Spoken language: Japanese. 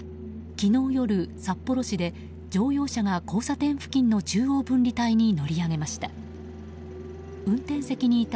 昨日夜、札幌市で乗用車が交差点付近の中央分離帯に乗り上げました。